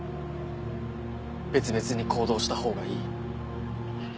別々に行動したほうがいい。